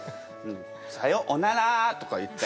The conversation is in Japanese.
「さよおなら」とか言って。